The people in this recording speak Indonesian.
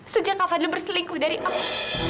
sejak kak fadil berselingkuh dengan aku